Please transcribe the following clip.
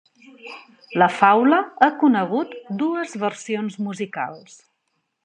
La faula ha conegut dues versions musicals.